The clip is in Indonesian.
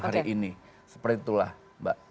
hari ini seperti itulah mbak